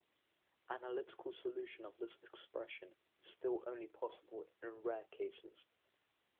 Analytical solution of this expression is still only possible in rare cases.